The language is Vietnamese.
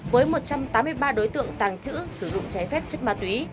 với một trăm tám mươi ba đối tượng tàng trữ sử dụng trái phép chất ma túy